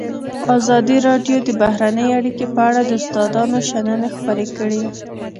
ازادي راډیو د بهرنۍ اړیکې په اړه د استادانو شننې خپرې کړي.